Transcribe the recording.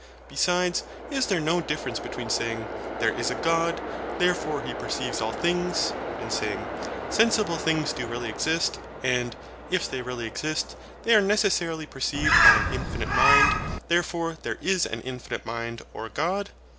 Besides, is there no difference between saying, THERE IS A GOD, THEREFORE HE PERCEIVES ALL THINGS; and saying, SENSIBLE THINGS DO REALLY EXIST; AND, IF THEY REALLY EXIST, THEY ARE NECESSARILY PERCEIVED BY AN INFINITE MIND: THEREFORE THERE IS AN INFINITE MIND OR GOD?